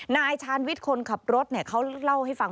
นายชาญวิทย์คนขับรถเขาเล่าให้ฟัง